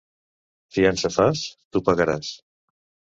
Fiança fas? Tu pagaràs.